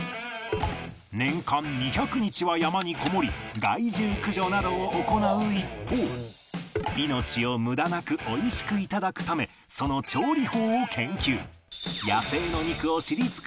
年間２００日は山にこもり害獣駆除などを行う一方命を無駄なく美味しく頂くためその調理法を研究